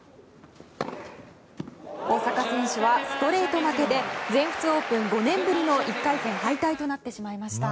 大坂選手はストレート負けで全仏オープン５年ぶりの１回戦敗退となってしまいました。